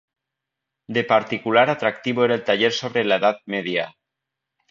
De particular atractivo era el taller sobre la Edad Media.